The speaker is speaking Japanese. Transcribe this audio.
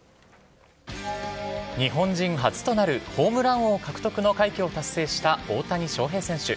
日本人初となるホームラン王獲得の快挙を達成した大谷翔平選手。